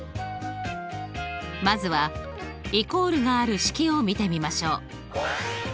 まずはイコールがある式を見てみましょう。